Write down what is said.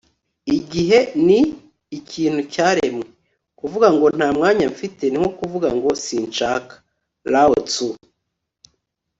igihe ni ikintu cyaremwe. kuvuga ngo 'nta mwanya mfite,' ni nko kuvuga ngo 'sinshaka.' - lao tzu